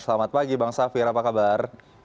selamat pagi bang safir apa kabar